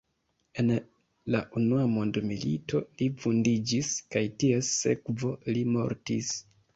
En la unua mondmilito li vundiĝis kaj ties sekvo li mortis.